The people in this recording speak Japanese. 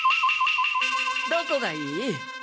どこがいい？